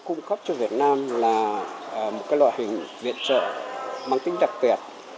cung cấp cho việt nam là một loại hình viện trợ bằng tính đặc biệt